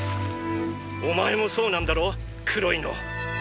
お前もそうなんだろ黒いの。